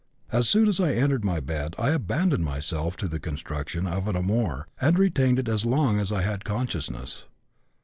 As soon as I entered my bed I abandoned myself to the construction of an amour and retained it as long as I had consciousness.